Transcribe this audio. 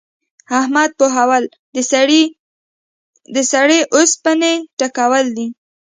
احمد پوهول؛ د سړې اوسپنې ټکول دي.